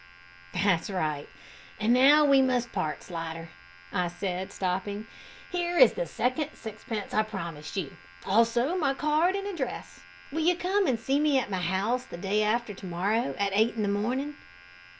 "That's right. And now we must part, Slidder," I said, stopping. "Here is the second sixpence I promised you, also my card and address. Will you come and see me at my own house the day after to morrow, at eight in the morning?"